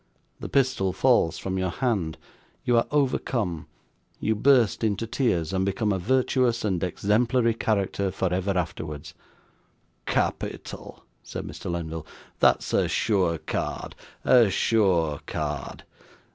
The pistol falls from your hand you are overcome you burst into tears, and become a virtuous and exemplary character for ever afterwards.' 'Capital!' said Mr. Lenville: 'that's a sure card, a sure card.